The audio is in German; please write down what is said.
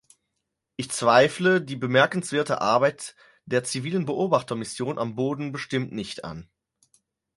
Ich zweifle die bemerkenswerte Arbeit der zivilen Beobachtermission am Boden bestimmt nicht an.